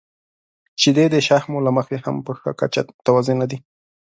• شیدې د شحمو له مخې هم په ښه کچه متوازنه دي.